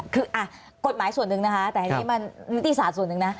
กฎหมายส่วนหนึ่งหนึ่งนิติศาสตร์ส่วนหนึ่ง